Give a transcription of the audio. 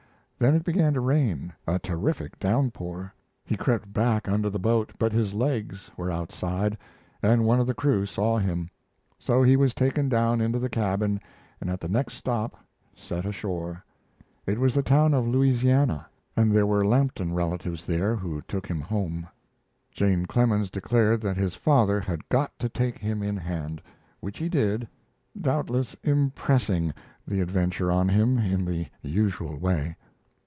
Then it began to rain a terrific downpour. He crept back under the boat, but his legs were outside, and one of the crew saw him. So he was taken down into the cabin and at the next stop set ashore. It was the town of Louisiana, and there were Lampton relatives there who took him home. Jane Clemens declared that his father had got to take him in hand; which he did, doubtless impressing the adventure on him in the usual way.